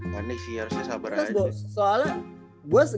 panik sih harusnya sabar aja